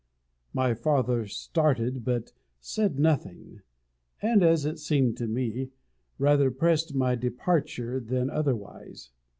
My father started, but said nothing; and, as it seemed to me, rather pressed my departure than otherwise.